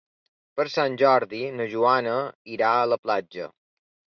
Per Sant Jordi na Joana irà a la platja.